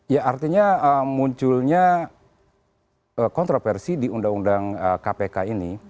ya artinya munculnya kontroversi di undang undang kpk ini